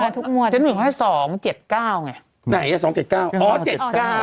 ทุกงวดจะหนึ่งให้สองเจ็ดเก้าไงไหนอ่ะสองเจ็ดเก้าอ๋อเจ็ดเก้า